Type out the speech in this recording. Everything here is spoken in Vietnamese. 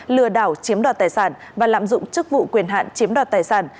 lừa đảo chiếm đoạt tài sản và lạm dụng chức vụ quyền hạn chiếm đoạt tài sản